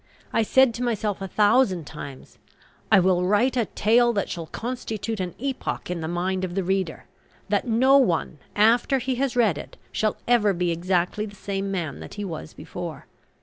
I said to myself a thousand times, "I will write a tale that shall constitute an epoch in the mind of the reader, that no one, after he has read it, shall ever be exactly the same man that he was before."